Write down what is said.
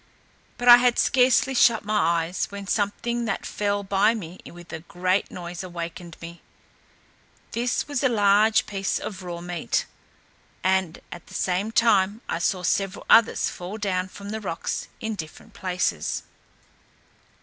But I had scarcely shut my eyes, when something that fell by me with a great noise awaked me. This was a large piece of raw meat; and at the same time I saw several others fall down from the rocks in different places.